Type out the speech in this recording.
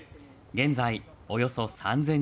現在、およそ３０００人。